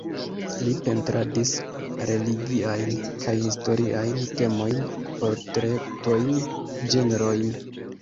Li pentradis religiajn kaj historiajn temojn, portretojn, ĝenrojn.